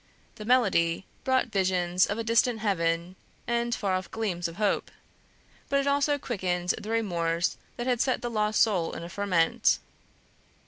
The melody brought visions of a distant heaven and far off gleams of hope; but it also quickened the remorse that had set the lost soul in a ferment.